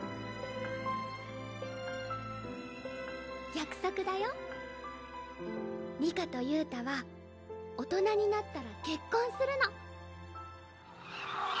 約束だよ里香と憂太は大人になったら結婚するのキキィーー！